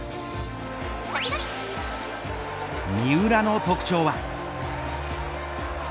三浦の特徴は。